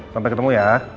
sampai ketemu ya